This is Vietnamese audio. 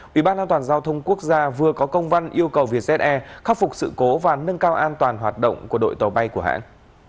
ủy ban an toàn giao thông quốc gia vừa có công văn yêu cầu vietjet air khắc phục sự cố và nâng cao an toàn hoạt động của đội tàu bay của hãng